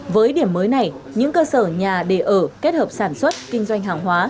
với điểm mới này những cơ sở nhà đề ở kết hợp sản xuất kinh doanh hàng hóa